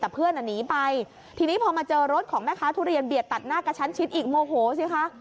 แต่เพื่อนหนีไปทีนี้พอมาเจอรถของแม่ค้าทุเรียนเบียดตัดหน้ากระชั้นชิดอีกโมโหสิคะ